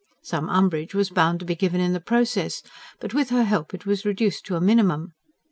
Some umbrage was bound to be given in the process; but with her help it was reduced to a minimum.